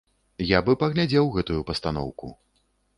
Я бы паглядзеў гэтую пастаноўку.